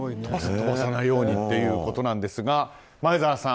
飛ばさないようにということなんですが前澤さん